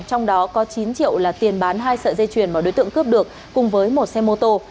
trong đó có chín triệu là tiền bán hai sợi dây chuyền mà đối tượng cướp được cùng với một xe mô tô